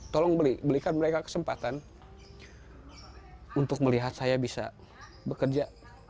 tolong belikan mereka kesempatan untuk melihat saya bisa bekerja